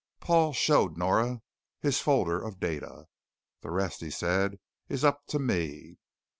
Paul showed Nora his folder of data. "The rest," he said, "is up to me."